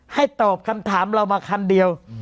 ตอบคำถามเรามาคำเดียว